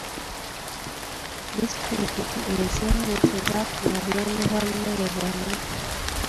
Disitulikiti ezimu tezafuna buyambi bwa mmere bwonna.